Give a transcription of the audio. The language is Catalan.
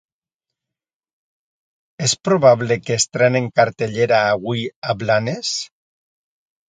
És probable que estrenin cartellera avui a Blanes?